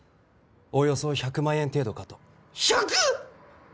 おおよそ１００万円程度かと。